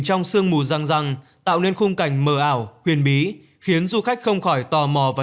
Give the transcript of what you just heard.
trong sương mù răng răng tạo nên khung cảnh mờ ảo huyền bí khiến du khách không khỏi tò mò và